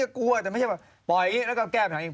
ฮเต้นเกาะก็ไปปล่อยแล้วก็แก้มาถามเอง